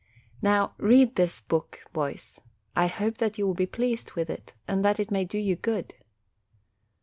Now read this book, boys; I hope that you will be pleased with it, and that it may do you good.